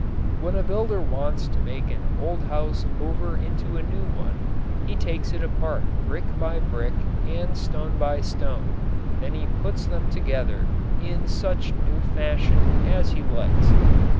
When a builder wants to make an old house over into a new one he takes it apart brick by brick and stone by stone, then he puts them together in such new fashion as he likes.